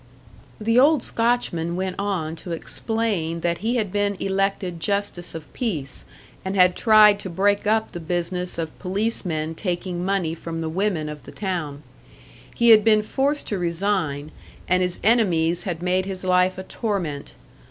The old Scotchman went on to explain that he had been elected justice of peace, and had tried to break up the business of policemen taking money from the women of the town; he had been forced to resign, and his enemies had made his life a torment.